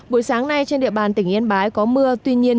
buổi sáng nay trên địa bàn tỉnh yên bái có mưa